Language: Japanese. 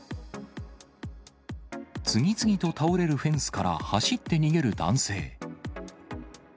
次々と倒れるフェンスから走って逃げる男性。